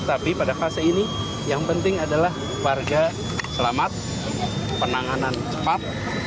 tapi pada fase ini yang penting adalah warga selamat penanganan cepat